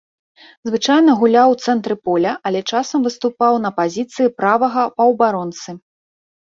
Звычайна гуляў у цэнтры поля, але часам выступаў на пазіцыі правага паўабаронцы.